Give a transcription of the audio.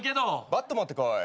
バット持ってこい。